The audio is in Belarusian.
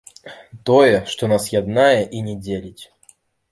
Тое, што нас яднае і не дзеліць.